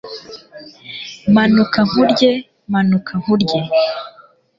Manuka nkurye manuka nkurye